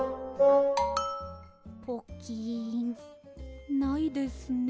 ポキンないですね。